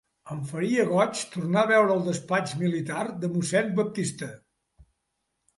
Em faria goig tornar a veure el despatx militar de mossèn Baptista.